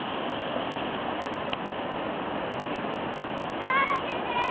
中原先生！